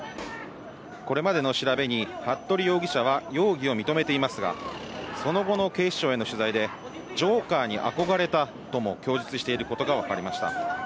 これまでの調べに服部容疑者は容疑を認めていますが、その後の警視庁への取材でジョーカーに憧れたとも供述していることがわかりました。